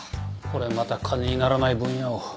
これまた金にならない分野を。